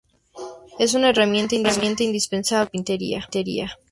Es una herramienta indispensable en carpintería.